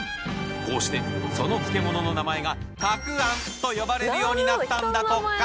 こうしてその漬物の名前がたくあんと呼ばれるようになったんだとか。